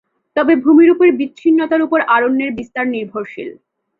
তবে ভূমিরূপের বিচ্ছিন্নতার উপর অরণ্যের বিস্তার নির্ভরশীল।